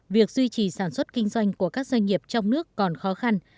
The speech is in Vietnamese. việc duy trì sản xuất kinh doanh của các doanh nghiệp trong nước còn khó khăn